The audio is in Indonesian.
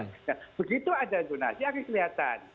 nah begitu ada zonasi akan kelihatan